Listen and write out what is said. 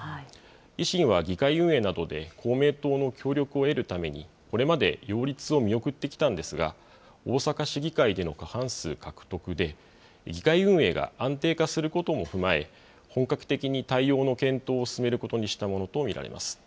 維新は議会運営などで公明党の協力を得るために、これまで擁立を見送ってきたんですが、大阪市議会での過半数獲得で、議会運営が安定化することも踏まえ、本格的に対応の検討を進めることにしたものと見られます。